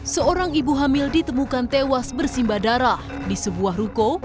seorang ibu hamil ditemukan tewas bersimba darah di sebuah ruko